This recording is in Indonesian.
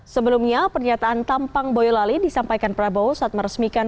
sebelumnya pernyataan tampang boyolali disampaikan prabowo saat meresmikan